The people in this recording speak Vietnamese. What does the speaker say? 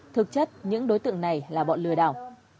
thực chất những đối tượng này là bọn lừa đảo